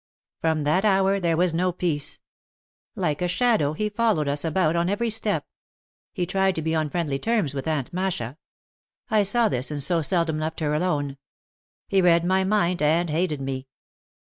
From that hour there was no peace. Like a shadow he followed us about on every step. He tried to be on friendly terms with Aunt Masha. I saw this and so seldom left her alone. He read my mind and hated me.